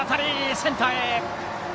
センターへ。